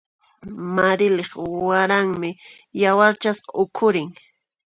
Marilyq waranmi yawarchasqa ukhurin.